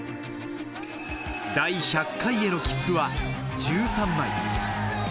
第１００回への切符は１３枚。